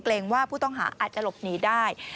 ว่าผู้ต้องหาอาจจะหลบหนีได้